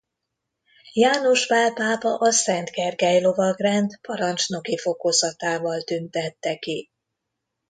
János Pál pápa a Szent Gergely Lovagrend parancsnoki fokozatával tüntette ki.